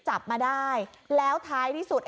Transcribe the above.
จับมาได้แล้วท้ายที่สุด